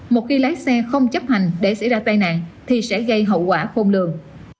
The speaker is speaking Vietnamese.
một khi lái xe không chấp hành để xảy ra tai nạn thì sẽ gây hậu quả khôn lường